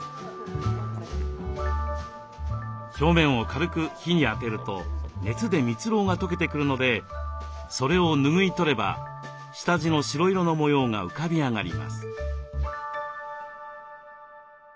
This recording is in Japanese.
表面を軽く火にあてると熱で蜜ろうが溶けてくるのでそれを拭い取れば下地の白色の模様が浮かび上がります。